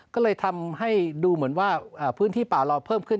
ก็เลยทำให้ดูเหมือนว่าพื้นที่ป่าเราเพิ่มขึ้น